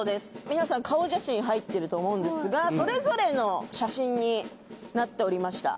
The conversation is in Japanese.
皆さん顔写真入ってると思うんですがそれぞれの写真になっておりました。